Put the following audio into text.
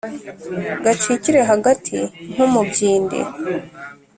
gacikire hagati nk'umubyindi;